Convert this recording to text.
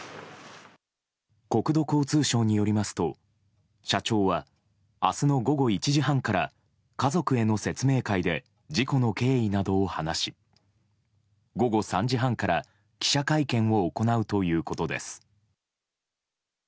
国土交通省によりますと社長は明日の午後１時半から家族への説明会で事故の経緯などを話し午後３時半から記者会見を行うということです。